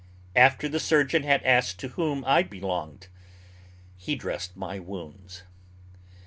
After the surgeon had asked to whom I belonged, he dressed my wounds.